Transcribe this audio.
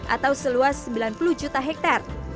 atau seluas sembilan puluh juta hektare